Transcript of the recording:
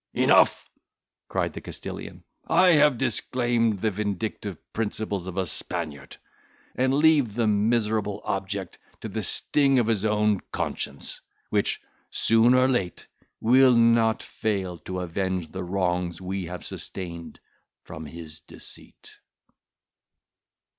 "Enough," cried the Castilian, "I have disclaimed the vindictive principles of a Spaniard; and leave the miserable object to the sting of his own conscience, which, soon or late, will not fail to avenge the wrongs we have sustained from his deceit."